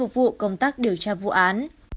vụ công tác điều tra vụ án